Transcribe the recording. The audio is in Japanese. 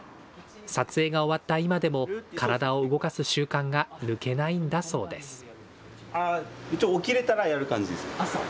撮影が終わった今でも、体を動かす習慣が抜けないんだそうです。